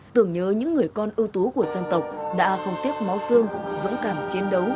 tưởng nhớ những người con ưu tú của dân tộc đã không tiếc máu xương dũng cảm chiến đấu